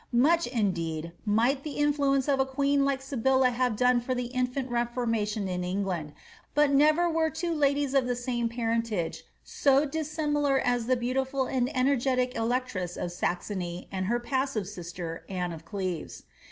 Much, indeed, might the influence of a queen like Sybilla have done for the infant Refoimation in England, but never were two ladies of the same parentage so dissimilar as the beautiful and energetic electress of Saxony and her passive sister, Anne of Cleves.